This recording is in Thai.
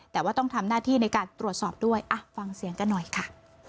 แต่ว่าต้องทำหน้าที่ในการตรวจสอบด้วยฟังเสียงกันหน่อยค่ะ